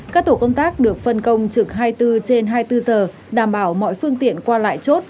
các tổ công tác được phân công trực hai mươi bốn trên hai mươi bốn giờ đảm bảo mọi phương tiện qua lại chốt